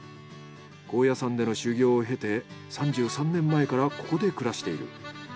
高野山での修行を経て３３年前からここで暮らしている。